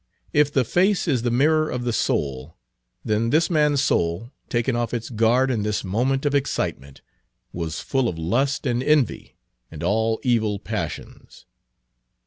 If the face is the mirror of the soul, then this man's soul, taken off its guard in this moment of excitement, was full of lust and envy and all evil passions.